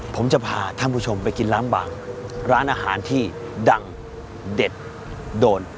ผมจะพาท่านผู้ชมไปกินล้างบางร้านอาหารที่ดังเด็ดโดน